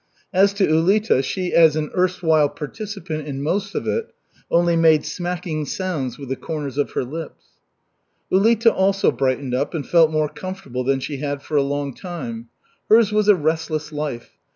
As to Ulita, she as an erstwhile participant in most of it, only made smacking sounds with the corners of her lips. Ulita also brightened up and felt more comfortable than she had for a long time. Hers was a restless life.